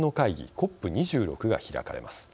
ＣＯＰ２６が開かれます。